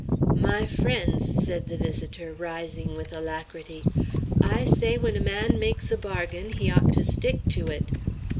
"My friends," said the visitor, rising with alacrity, "I say when a man makes a bargain, he ought to stick to it!"